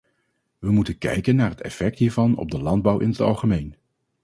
We moeten kijken naar het effect hiervan op de landbouw in het algemeen.